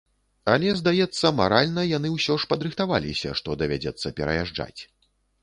Але, здаецца, маральна яны ўсё ж падрыхтаваліся, што давядзецца пераязджаць.